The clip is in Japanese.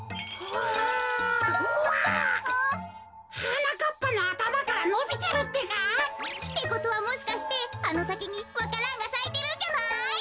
はなかっぱのあたまからのびてるってか！ってことはもしかしてあのさきにわか蘭がさいてるんじゃない？